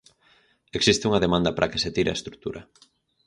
Existe unha demanda para que se tire a estrutura.